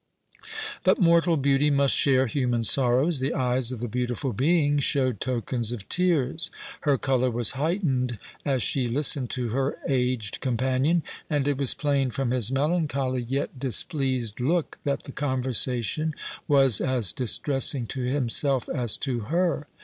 But mortal beauty must share human sorrows. The eyes of the beautiful being showed tokens of tears; her colour was heightened as she listened to her aged companion; and it was plain, from his melancholy yet displeased look, that the conversation was as distressing to himself as to her.